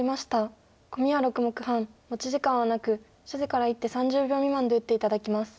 コミは６目半持ち時間はなく初手から１手３０秒未満で打って頂きます。